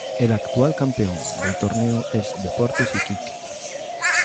El actual campeón del torneo es Deportes Iquique.